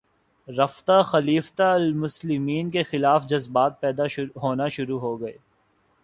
رفتہ خلیفتہ المسلمین کے خلاف جذبات پیدا ہونے شروع ہوگئے